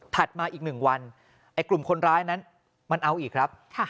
มาอีก๑วันไอ้กลุ่มคนร้ายนั้นมันเอาอีกครับ